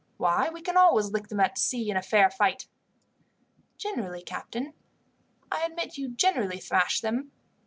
Why, we can always lick them at sea in a fair fight." "Generally, captain. I admit you generally thrash them.